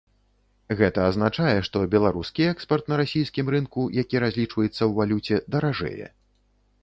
Гэта азначае, што беларускі экспарт на расійскім рынку, які разлічваецца ў валюце, даражэе.